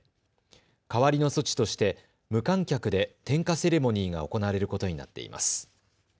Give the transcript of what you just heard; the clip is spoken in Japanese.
代わりの措置として無観客で点火セレモニーが行われることになっています。